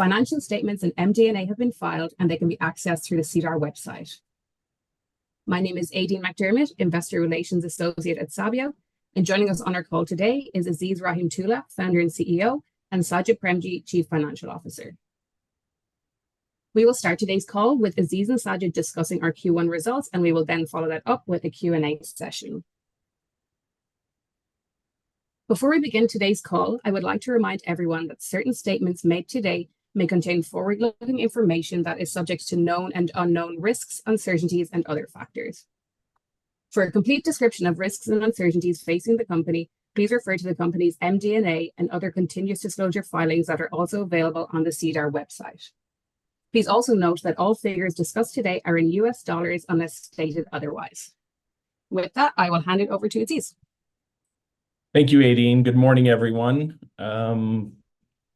Financial statements and MD&A have been filed, and they can be accessed through the SEDAR website. My name is Aideen McDermott, Investor Relations Associate at Sabio, and joining us on our call today is Aziz Rahimtoola, Founder and CEO, and Sajid Premji, Chief Financial Officer. We will start today's call with Aziz and Sajid discussing our Q1 results, and we will then follow that up with a Q&A session. Before we begin today's call, I would like to remind everyone that certain statements made today may contain forward-looking information that is subject to known and unknown risks, uncertainties, and other factors. For a complete description of risks and uncertainties facing the company, please refer to the company's MD&A and other continuous disclosure filings that are also available on the SEDAR website. Please also note that all figures discussed today are in U.S. dollars unless stated otherwise. With that, I will hand it over to Aziz. Thank you, Aideen. Good morning, everyone.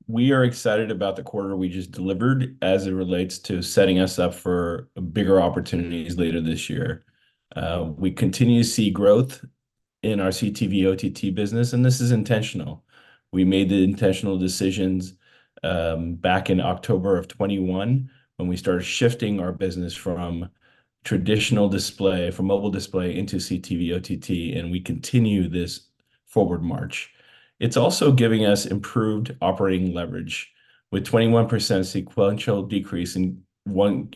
We are excited about the quarter we just delivered as it relates to setting us up for bigger opportunities later this year. We continue to see growth in our CTV OTT business, and this is intentional. We made the intentional decisions back in October of 2021, when we started shifting our business from traditional display, from mobile display into CTV OTT, and we continue this forward march. It's also giving us improved operating leverage, with 21% sequential decrease in Q1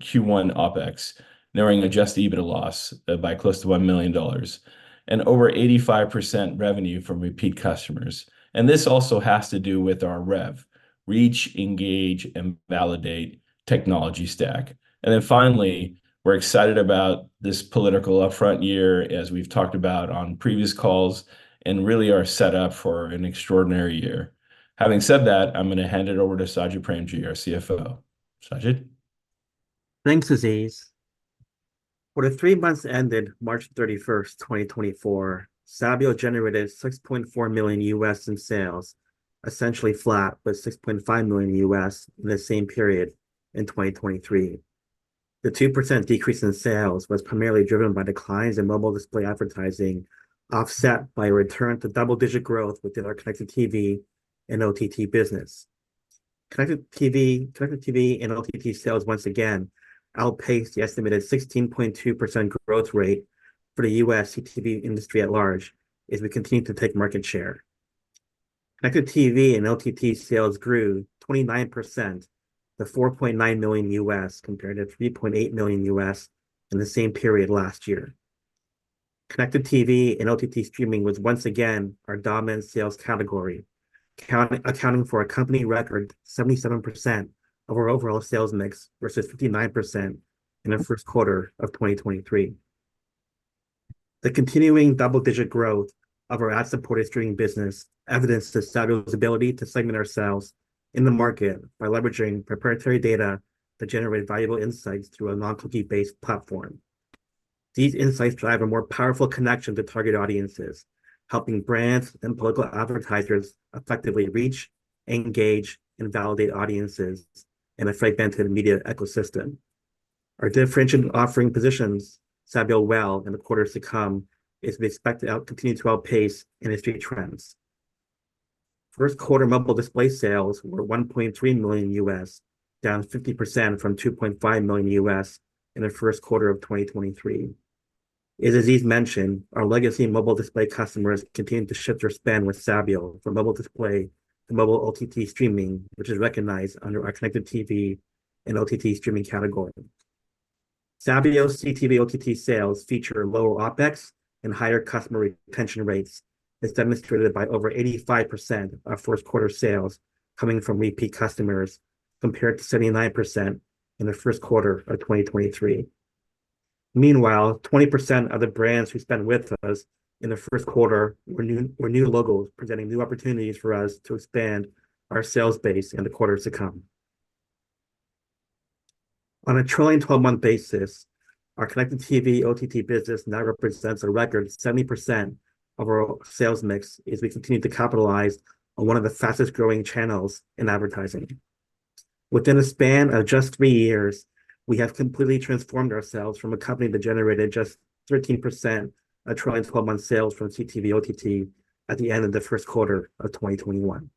OpEx, narrowing adjusted EBITDA loss by close to $1 million, and over 85% revenue from repeat customers. This also has to do with our R.E.V.: Reach, Engage, and Validate technology stack. Then finally, we're excited about this political upfront year, as we've talked about on previous calls, and really are set up for an extraordinary year. Having said that, I'm gonna hand it over to Sajid Premji, our CFO. Sajid? Thanks, Aziz. For the three months ended March 31st, 2024, Sabio generated $6.4 million in sales, essentially flat with $6.5 million in the same period in 2023. The 2% decrease in sales was primarily driven by declines in mobile display advertising, offset by a return to double-digit growth within our Connected TV and OTT business. Connected TV, Connected TV and OTT sales once again outpaced the estimated 16.2% growth rate for the U.S. CTV industry at large, as we continue to take market share. Connected TV and OTT sales grew 29% to $4.9 million, compared to $3.8 million in the same period last year. Connected TV and OTT streaming was once again our dominant sales category, accounting for a company record 77% of our overall sales mix, versus 59% in the first quarter of 2023. The continuing double-digit growth of our ad-supported streaming business evidenced the Sabio's ability to segment ourselves in the market by leveraging proprietary data to generate valuable insights through a non-cookie based platform. These insights drive a more powerful connection to target audiences, helping brands and political advertisers effectively reach, engage, and validate audiences in a fragmented media ecosystem. Our differentiated offering positions Sabio well in the quarters to come, as we expect to continue to outpace industry trends. First quarter mobile display sales were $1.3 million, down 50% from $2.5 million in the first quarter of 2023. As Aziz mentioned, our legacy mobile display customers continued to shift their spend with Sabio from mobile display to mobile OTT streaming, which is recognized under our Connected TV and OTT streaming category. Sabio's CTV OTT sales feature lower OpEx and higher customer retention rates, as demonstrated by over 85% of our first quarter sales coming from repeat customers, compared to 79% in the first quarter of 2023. Meanwhile, 20% of the brands who spent with us in the first quarter were new, were new logos, presenting new opportunities for us to expand our sales base in the quarters to come. On a trailing 12-month basis, our Connected TV OTT business now represents a record 70% of our sales mix, as we continue to capitalize on one of the fastest growing channels in advertising. Within a span of just three years, we have completely transformed ourselves from a company that generated just 13% of trailing 12-month sales from CTV OTT at the end of the first quarter of 2021.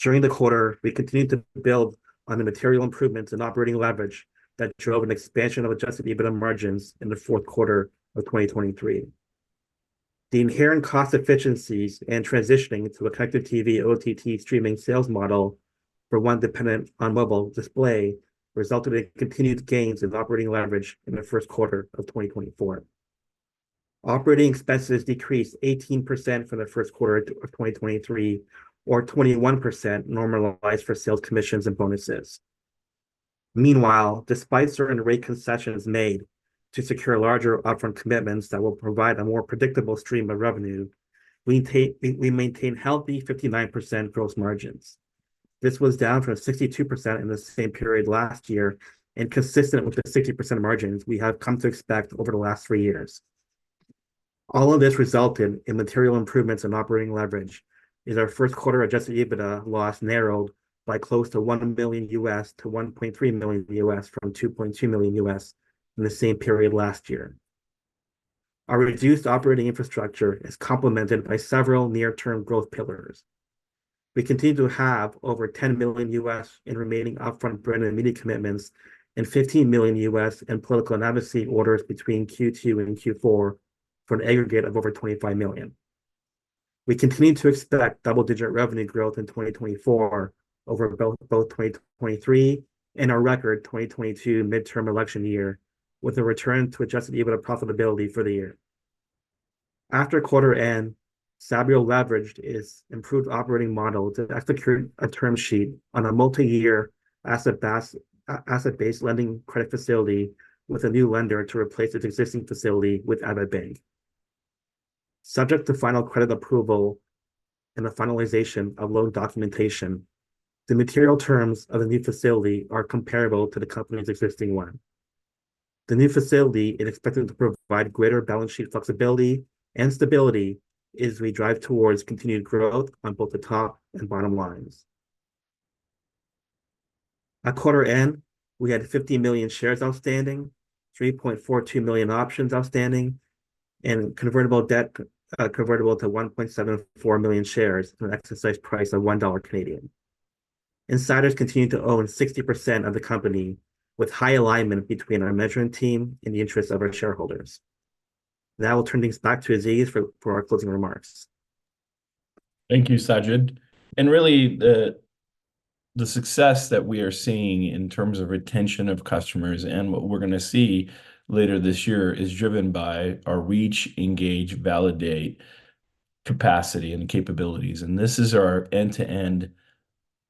During the quarter, we continued to build on the material improvements in operating leverage that drove an expansion of adjusted EBITDA margins in the fourth quarter of 2023. The inherent cost efficiencies and transitioning to a Connected TV OTT streaming sales model from one dependent on mobile display resulted in continued gains in operating leverage in the first quarter of 2024. Operating expenses decreased 18% for the first quarter of 2023, or 21% normalized for sales commissions and bonuses. Meanwhile, despite certain rate concessions made to secure larger upfront commitments that will provide a more predictable stream of revenue, we maintain healthy 59% gross margins. This was down from 62% in the same period last year and consistent with the 60% margins we have come to expect over the last three years. All of this resulted in material improvements in operating leverage, as our first quarter adjusted EBITDA loss narrowed by close to $1 million to $1.3 million, from $2.2 million in the same period last year. Our reduced operating infrastructure is complemented by several near-term growth pillars. We continue to have over $10 million in remaining upfront brand and media commitments, and $15 million in political and advocacy orders between Q2 and Q4, for an aggregate of over $25 million. We continue to expect double-digit revenue growth in 2024 over both 2023 and our record 2022 midterm election year, with a return to adjusted EBITDA profitability for the year. After quarter end, Sabio leveraged its improved operating model to execute a term sheet on a multi-year asset-based lending credit facility with a new lender to replace its existing facility with Avidbank. Subject to final credit approval and the finalization of loan documentation, the material terms of the new facility are comparable to the company's existing one. The new facility is expected to provide greater balance sheet flexibility and stability as we drive towards continued growth on both the top and bottom lines. At quarter end, we had 50 million shares outstanding, 3.42 million options outstanding, and convertible debt, convertible to 1.74 million shares at an exercise price of 1 Canadian dollar. Insiders continue to own 60% of the company, with high alignment between our management team and the interests of our shareholders. Now I will turn things back to Aziz for our closing remarks. Thank you, Sajid. Really, the success that we are seeing in terms of retention of customers and what we're gonna see later this year is driven by our Reach, Engage, Validate capacity and capabilities, and this is our end-to-end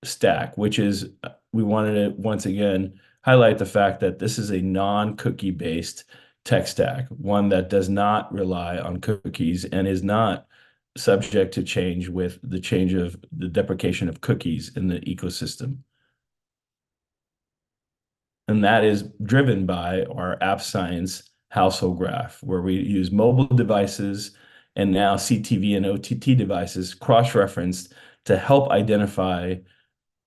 stack, which is, we wanted to once again highlight the fact that this is a non-cookie-based tech stack, one that does not rely on cookies and is not subject to change with the change of the deprecation of cookies in the ecosystem. And that is driven by our AppScience household graph, where we use mobile devices, and now CTV and OTT devices, cross-referenced to help identify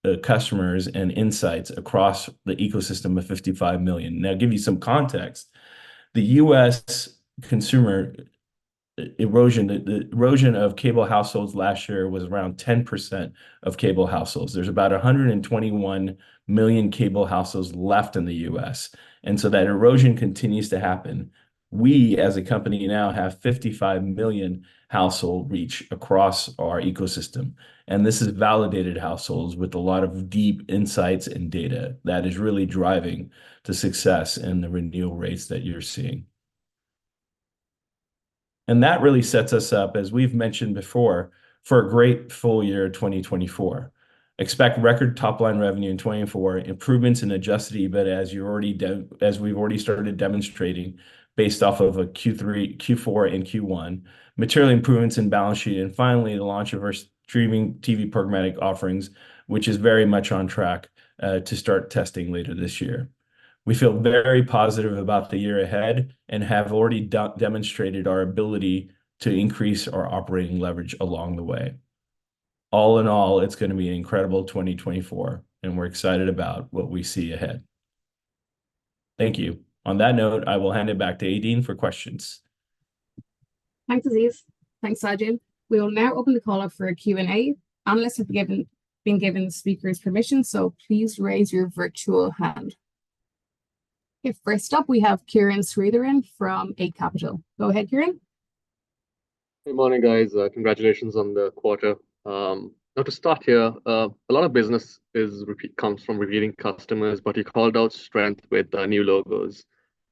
the customers and insights across the ecosystem of 55 million. Now, to give you some context, the U.S. consumer erosion, the erosion of cable households last year was around 10% of cable households. There's about 121 million cable households left in the U.S., and so that erosion continues to happen. We, as a company, now have 55 million household reach across our ecosystem, and this is validated households with a lot of deep insights and data that is really driving the success and the renewal rates that you're seeing. That really sets us up, as we've mentioned before, for a great full year 2024. Expect record top-line revenue in 2024, improvements in adjusted EBITDA, as we've already started demonstrating, based off of a Q3, Q4, and Q1, material improvements in balance sheet, and finally, the launch of our streaming TV programmatic offerings, which is very much on track to start testing later this year. We feel very positive about the year ahead and have already demonstrated our ability to increase our operating leverage along the way. All in all, it's gonna be an incredible 2024, and we're excited about what we see ahead. Thank you. On that note, I will hand it back to Aideen for questions. Thanks, Aziz. Thanks, Sajid. We will now open the call up for a Q&A. Analysts have been given the speaker's permission, so please raise your virtual hand. Okay, first up, we have Kiran Sritharan from Eight Capital. Go ahead, Kiran. Good morning, guys. Congratulations on the quarter. Now to start here, a lot of business is repeat comes from repeating customers, but you called out strength with new logos.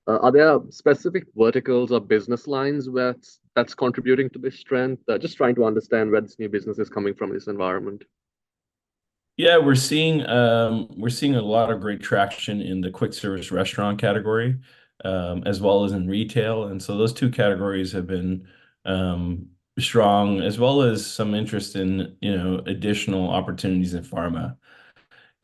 Are there specific verticals or business lines where that's contributing to this strength? Just trying to understand where this new business is coming from in this environment. Yeah, we're seeing, we're seeing a lot of great traction in the quick service restaurant category, as well as in retail, and so those two categories have been, strong, as well as some interest in, you know, additional opportunities in pharma.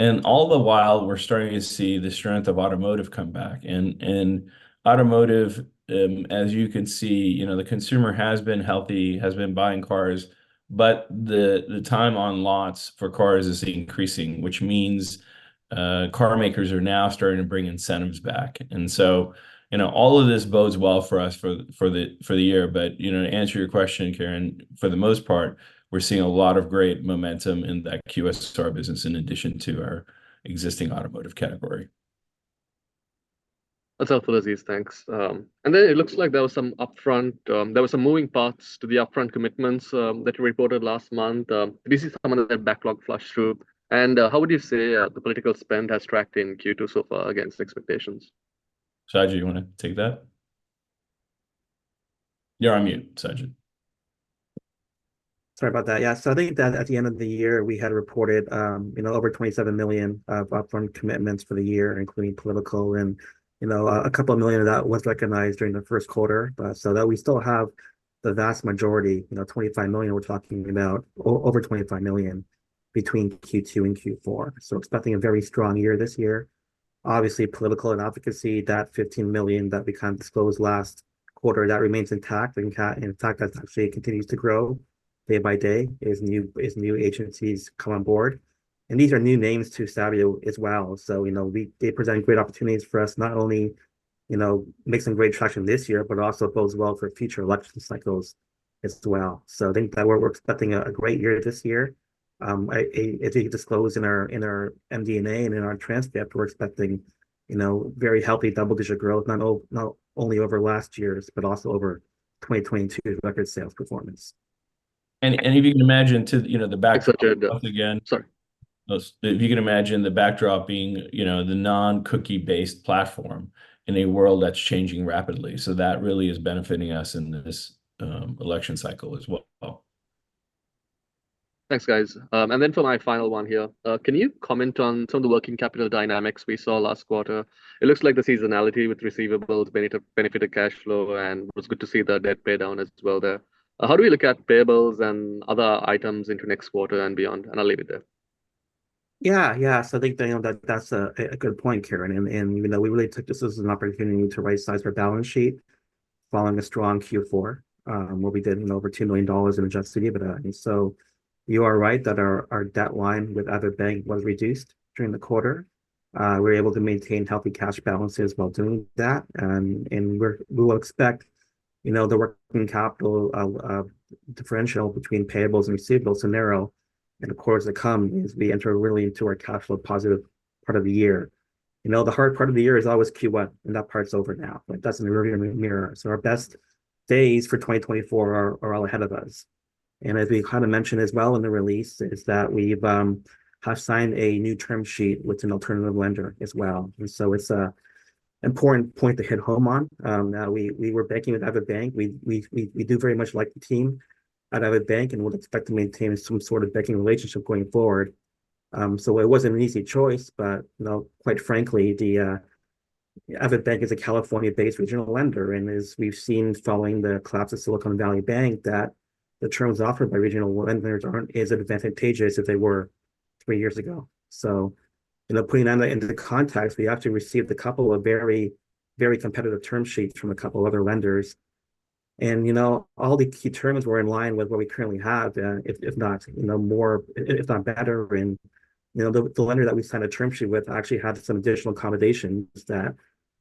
And all the while, we're starting to see the strength of automotive come back, and, automotive, as you can see, you know, the consumer has been healthy, has been buying cars, but the, the time on lots for cars is increasing, which means, car makers are now starting to bring incentives back. And so, you know, all of this bodes well for us, for, for the, for the year. But, you know, to answer your question, Kiran, for the most part, we're seeing a lot of great momentum in that QSR business, in addition to our existing automotive category. That's helpful, Aziz, thanks. And then it looks like there was some upfront. There were some moving parts to the upfront commitments, that you reported last month. This is some of the backlog flush through. And, how would you say, the political spend has tracked in Q2 so far against expectations? Sajid, you wanna take that? You're on mute, Sajid. Sorry about that. Yeah, so I think that at the end of the year, we had reported, you know, over $27 million of upfront commitments for the year, including political, and, you know, a couple of million of that was recognized during the first quarter. So that we still have the vast majority, you know, $25 million, we're talking about, over $25 million between Q2 and Q4, so expecting a very strong year this year. Obviously, political and advocacy, that $15 million that we kind of disclosed last quarter, that remains intact, and in fact, that actually continues to grow day by day as new agencies come on board. And these are new names to Sabio as well. So, you know, they present great opportunities for us, not only, you know, make some great traction this year, but also bodes well for future election cycles as well. So I think that we're expecting a great year this year. I, as we disclosed in our, in our MD&A and in our transcript, we're expecting, you know, very healthy double-digit growth, not only over last year's, but also over 2022's record sales performance. If you can imagine, you know, the backdrop again. Sorry. If you can imagine the backdrop being, you know, the non-cookie-based platform in a world that's changing rapidly. So that really is benefiting us in this, election cycle as well. Thanks, guys. Then for my final one here, can you comment on some of the working capital dynamics we saw last quarter? It looks like the seasonality with receivables benefited cash flow, and it was good to see the debt pay down as well there. How do we look at payables and other items into next quarter and beyond? I'll leave it there. Yeah. Yeah, so I think, that that's a good point, Kiran. And even though we really took this as an opportunity to rightsize our balance sheet following a strong Q4, where we did, you know, over $2 million in adjusted EBITDA. And so you are right that our debt line with Avidbank was reduced during the quarter. We were able to maintain healthy cash balances while doing that, and we will expect, you know, the working capital differential between payables and receivables to narrow. And of course to come, as we enter really into our cash flow positive part of the year. You know, the hard part of the year is always Q1, and that part's over now. Like, that's in the rear-view mirror. So our best days for 2024 are all ahead of us. As we kind of mentioned as well in the release, we've have signed a new term sheet with an alternative lender as well. So it's a important point to hit home on. Now, we were banking with Avidbank. We do very much like the team at Avidbank, and would expect to maintain some sort of banking relationship going forward. So it wasn't an easy choice, but, you know, quite frankly, the Avidbank is a California-based regional lender, and as we've seen following the collapse of Silicon Valley Bank, that the terms offered by regional lenders aren't as advantageous as they were three years ago. So, you know, putting that into the context, we actually received a couple of very, very competitive term sheets from a couple of other lenders. And, you know, all the key terms were in line with what we currently have, if not, you know, more, if not better. And, you know, the lender that we signed a term sheet with actually had some additional accommodations that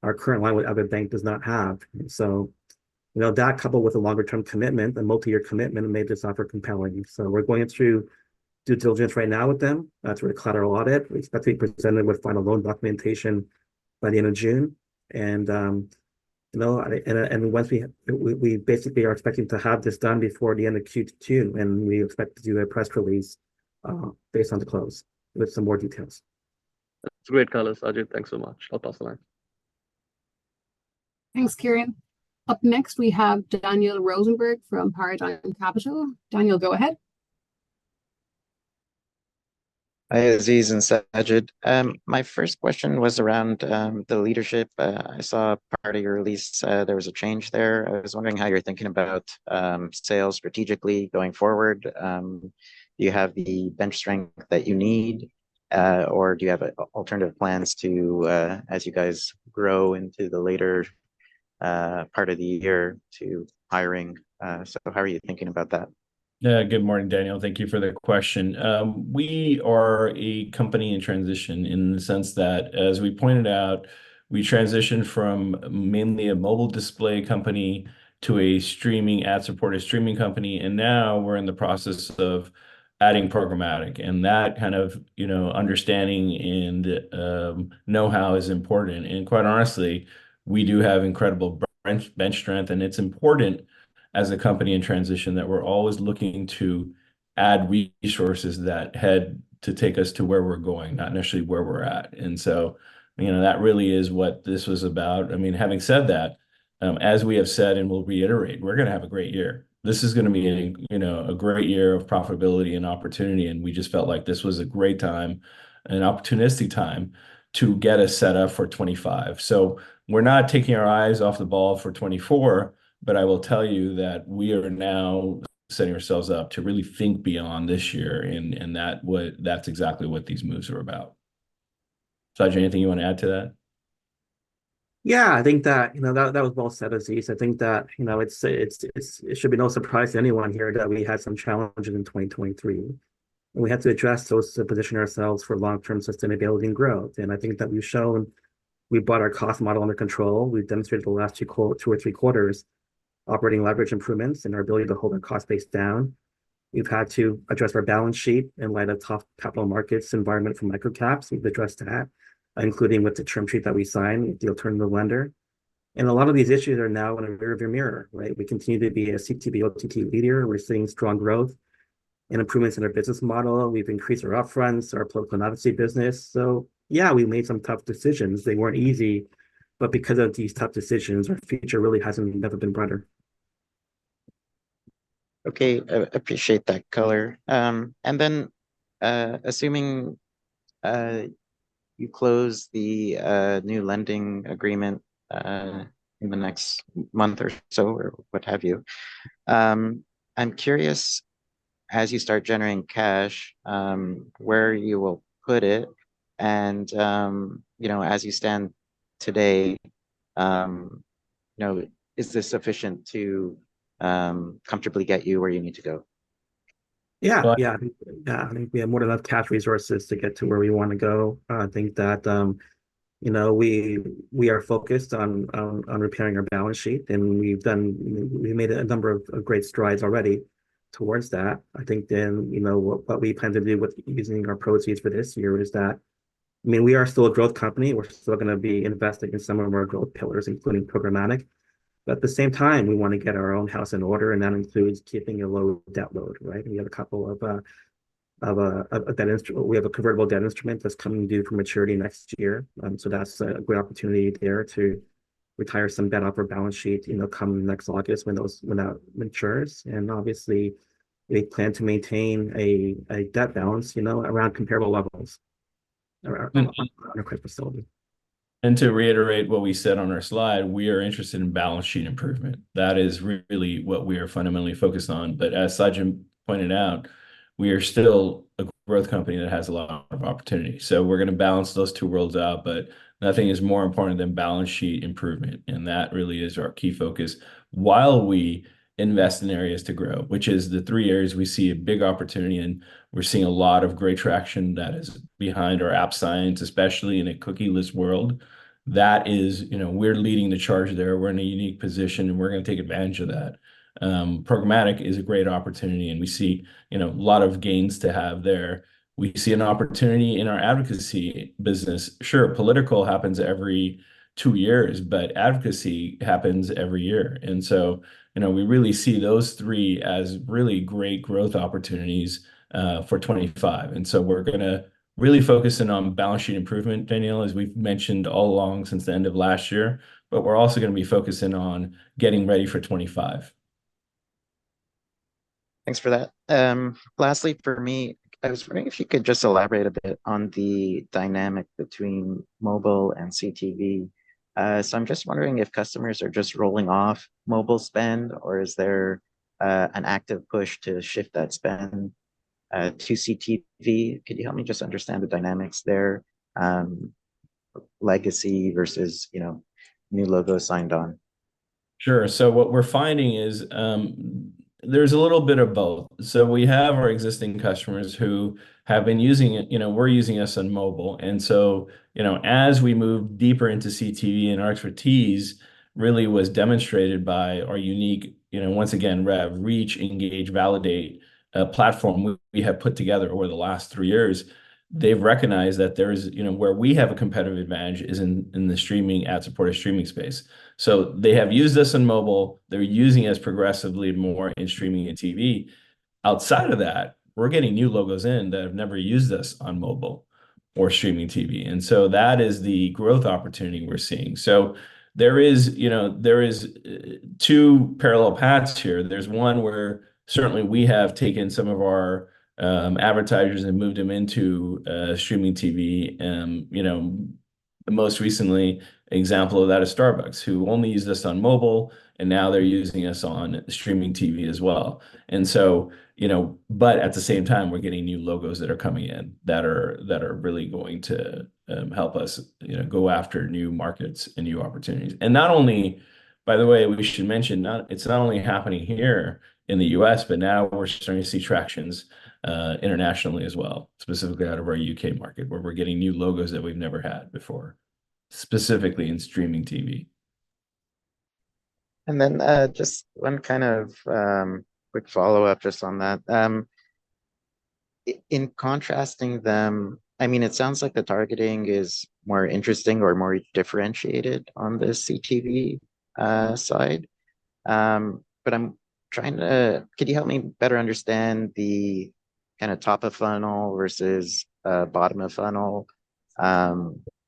our current lender, Avidbank, does not have. So, you know, that coupled with a longer-term commitment, a multi-year commitment, made this offer compelling. So we're going through due diligence right now with them. That's where we conduct our audit. We expect to be presented with final loan documentation by the end of June. And, you know, and once we, we basically are expecting to have this done before the end of Q2, and we expect to do a press release, based on the close, with some more details. That's great, caller. Sajid, thanks so much. I'll pass along. Thanks, Kiran. Up next, we have Daniel Rosenberg from Paradigm Capital. Daniel, go ahead. Hi, Aziz and Sajid. My first question was around the leadership. I saw part of your release said there was a change there. I was wondering how you're thinking about sales strategically going forward. Do you have the bench strength that you need, or do you have alternative plans to, as you guys grow into the later part of the year to hiring? So how are you thinking about that? Good morning, Daniel. Thank you for the question. We are a company in transition in the sense that, as we pointed out, we transitioned from mainly a mobile display company to a streaming, ad-supported streaming company, and now we're in the process of adding programmatic. And that kind of, you know, understanding and know-how is important. And quite honestly, we do have incredible bench strength, and it's important, as a company in transition, that we're always looking to add resources that head to take us to where we're going, not necessarily where we're at. And so, you know, that really is what this was about. I mean, having said that, as we have said and will reiterate, we're gonna have a great year. This is gonna be a, you know, a great year of profitability and opportunity, and we just felt like this was a great time and an opportunistic time to get us set up for 2025. So we're not taking our eyes off the ball for 2024, but I will tell you that we are now setting ourselves up to really think beyond this year, and that's exactly what these moves are about. Sajid, anything you want to add to that? Yeah, I think that, you know, that was well said, Aziz. I think that, you know, it should be no surprise to anyone here that we had some challenges in 2023, and we had to address those to position ourselves for long-term sustainability and growth. I think that we've shown we've got our cost model under control. We've demonstrated the last two or three quarters, operating leverage improvements and our ability to hold our cost base down. We've had to address our balance sheet in light of tough capital markets environment for micro caps. We've addressed that, including with the term sheet that we signed with the alternative lender. A lot of these issues are now in our rear-view mirror, right? We continue to be a CTV OTT leader, and we're seeing strong growth and improvements in our business model. We've increased our upfront, our political and advocacy business. So yeah, we made some tough decisions. They weren't easy, but because of these tough decisions, our future really has never been brighter. Okay, I appreciate that color. And then, assuming you close the new lending agreement in the next month or so, or what have you, I'm curious, as you start generating cash, where you will put it? And, you know, as you stand today, you know, is this sufficient to comfortably get you where you need to go? Yeah, yeah. Yeah, I think we have more than enough cash resources to get to where we wanna go. I think that, you know, we are focused on repairing our balance sheet, and we've made a number of great strides already towards that. I think then, you know, what we plan to do with using our proceeds for this year is that, I mean, we are still a growth company. We're still gonna be investing in some of our growth pillars, including programmatic. But at the same time, we wanna get our own house in order, and that includes keeping a low debt load, right? We have a couple of debt instruments. We have a convertible debt instrument that's coming due for maturity next year. So that's a great opportunity there to retire some debt off our balance sheet, you know, come next August when that matures. And obviously, we plan to maintain a debt balance, you know, around comparable levels, around our credit facility. To reiterate what we said on our slide, we are interested in balance sheet improvement. That is really what we are fundamentally focused on. But as Sajid pointed out, we are still a growth company that has a lot of opportunity. So we're gonna balance those two worlds out, but nothing is more important than balance sheet improvement, and that really is our key focus while we invest in areas to grow, which is the three areas we see a big opportunity in. We're seeing a lot of great traction that is behind our AppScience, especially in a cookie-less world. That is. You know, we're leading the charge there. We're in a unique position, and we're gonna take advantage of that. Programmatic is a great opportunity, and we see, you know, a lot of gains to have there. We see an opportunity in our advocacy business. Sure, political happens every two years, but advocacy happens every year. And so, you know, we really see those three as really great growth opportunities for 2025. And so we're gonna really focus in on balance sheet improvement, Daniel, as we've mentioned all along since the end of last year, but we're also gonna be focusing on getting ready for 2025. Thanks for that. Lastly, for me, I was wondering if you could just elaborate a bit on the dynamic between mobile and CTV. So I'm just wondering if customers are just rolling off mobile spend, or is there an active push to shift that spend to CTV? Could you help me just understand the dynamics there, legacy versus, you know, new logos signed on? Sure. So what we're finding is, there's a little bit of both. So we have our existing customers who have been using it, you know, were using us on mobile. And so, you know, as we move deeper into CTV, and our expertise really was demonstrated by our unique, you know, once again, R.E.V., Reach, Engage, Validate, platform we have put together over the last three years. They've recognized that there's, you know, where we have a competitive advantage is in, in the streaming, ad-supported streaming space. So they have used us in mobile. They're using us progressively more in streaming and TV. Outside of that, we're getting new logos that have never used us on mobile or streaming TV, and so that is the growth opportunity we're seeing. So there is, you know, there is, two parallel paths here. There's one where certainly we have taken some of our advertisers and moved them into streaming TV. You know, most recently example of that is Starbucks, who only used us on mobile, and now they're using us on streaming TV as well. And so, you know, but at the same time, we're getting new logos that are coming in that are really going to help us, you know, go after new markets and new opportunities. And not only. By the way, we should mention, it's not only happening here in the U.S., but now we're starting to see traction internationally as well, specifically out of our U.K. market, where we're getting new logos that we've never had before, specifically in streaming TV. And then, just one kind of quick follow-up just on that. In contrasting them, I mean, it sounds like the targeting is more interesting or more differentiated on the CTV side. But I'm trying to, could you help me better understand the kinda top of funnel versus bottom of funnel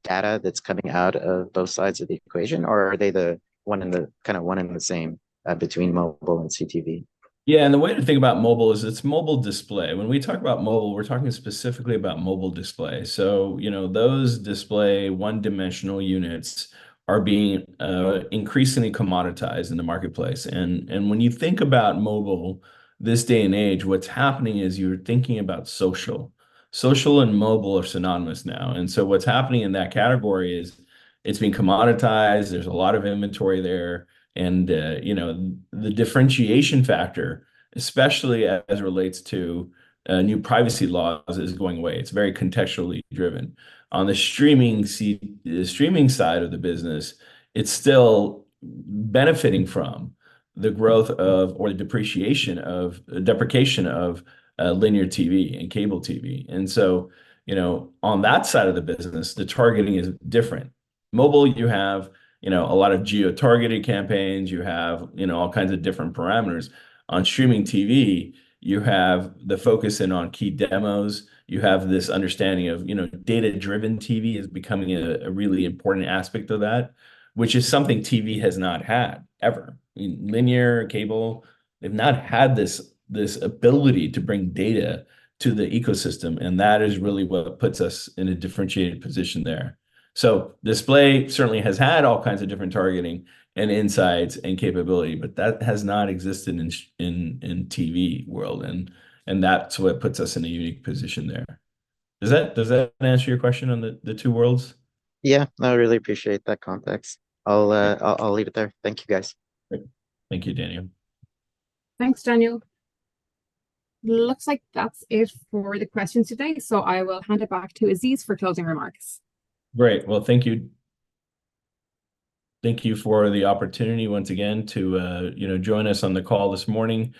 data that's coming out of both sides of the equation, or are they the one and the kinda one and the same between mobile and CTV? Yeah, and the way to think about mobile is it's mobile display. When we talk about mobile, we're talking specifically about mobile display. So, you know, those display one-dimensional units are being increasingly commoditized in the marketplace. And when you think about mobile this day and age, what's happening is you're thinking about social. Social and mobile are synonymous now, and so what's happening in that category is it's being commoditized. There's a lot of inventory there, and you know, the differentiation factor, especially as it relates to new privacy laws, is going away. It's very contextually driven. On the streaming side of the business, it's still benefiting from the growth of or the deprecation of linear TV and cable TV. And so, you know, on that side of the business, the targeting is different. Mobile, you have, you know, a lot of geotargeted campaigns. You have, you know, all kinds of different parameters. On streaming TV, you have the focus in on key demos. You have this understanding of, you know, data-driven TV is becoming a really important aspect of that, which is something TV has not had, ever. Linear, cable, they've not had this ability to bring data to the ecosystem, and that is really what puts us in a differentiated position there. So display certainly has had all kinds of different targeting, and insights, and capability, but that has not existed in in TV world, and that's what puts us in a unique position there. Does that answer your question on the two worlds? Yeah. I really appreciate that context. I'll leave it there. Thank you, guys. Thank you, Daniel. Thanks, Daniel. Looks like that's it for the questions today, so I will hand it back to Aziz for closing remarks. Great. Well, thank you. Thank you for the opportunity once again to, you know, join us on the call this morning.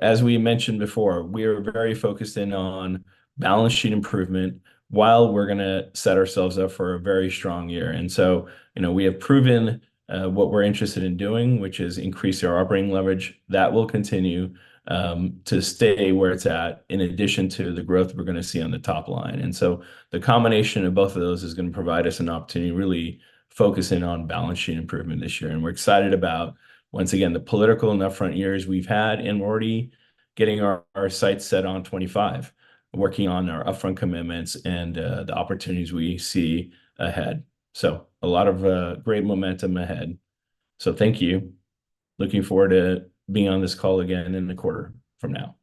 As we mentioned before, we are very focused in on balance sheet improvement, while we're gonna set ourselves up for a very strong year. And so, you know, we have proven, what we're interested in doing, which is increase our operating leverage. That will continue, to stay where it's at, in addition to the growth we're gonna see on the top line. And so the combination of both of those is gonna provide us an opportunity to really focus in on balance sheet improvement this year. And we're excited about, once again, the political and upfront years we've had, and we're already getting our, our sights set on 2025, working on our upfront commitments and, the opportunities we see ahead. So a lot of great momentum ahead. So thank you. Looking forward to being on this call again in a quarter from now.